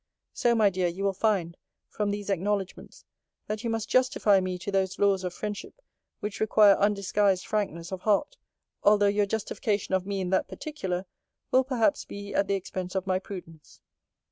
So, my dear, you will find, from these acknowledgements, that you must justify me to those laws of friendship, which require undisguised frankness of heart; although you justification of me in that particular, will perhaps be at the expense of my prudence.